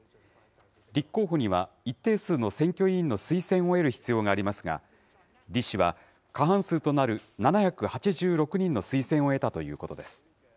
立候補には一定数の選挙委員の推薦を得る必要がありますが、李氏は過半数となる７８６人の推薦を得たということです。